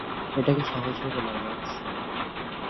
এটা কে সহজ ভাবে নাও, ম্যাক্স।